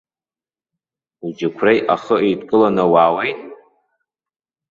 Уџьықәреи ахы еидкыланы уаауеит?